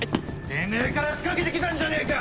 てめえから仕掛けてきたんじゃねえか！